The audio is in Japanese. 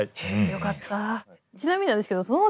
よかった。